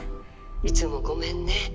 いつもごめんね。